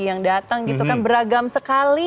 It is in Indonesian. yang datang gitu kan beragam sekali